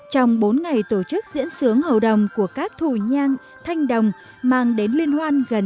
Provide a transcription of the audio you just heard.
trong bốn ngày tổ chức diễn xướng hậu đồng của các thù nhang thanh đồng mang đến liên hoàn gần chín mươi giá đồng